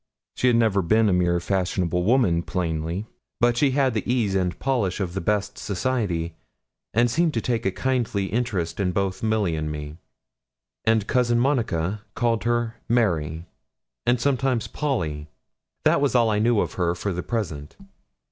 She had never been a mere fashionable woman plainly; but she had the ease and polish of the best society, and seemed to take a kindly interest both in Milly and me; and Cousin Monica called her Mary, and sometimes Polly. That was all I knew of her for the present.